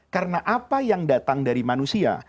karena apa yang datang dari manusia